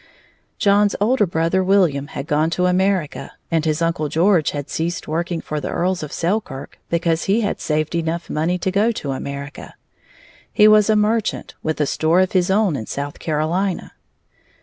John's older brother, William, had gone to America, and his uncle George had ceased working for the Earls of Selkirk because he had saved enough money to go to America. He was a merchant, with a store of his own in South Carolina.